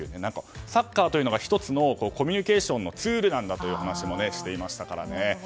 サッカーというのが１つのコミュニケーションのツールなんだという話もしていましたから。